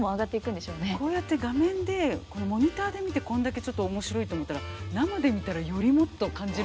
こうやって画面でモニターで見てこんだけ面白いと思ったら生で見たらよりもっと感じるものいっぱい。